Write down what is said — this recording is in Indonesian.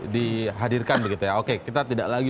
dihadirkan begitu ya oke kita tidak lagi